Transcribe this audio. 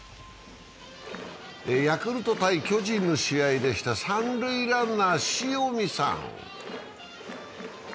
ヤクルト×巨人の試合でした、三塁ランナー・塩見さん。